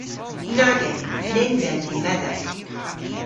Nag en. Nyns en vy medhek.